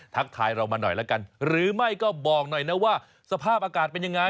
ทักทายเรามาหน่อยแล้วกันหรือไม่ก็บอกหน่อยนะว่าสภาพอากาศเป็นยังไง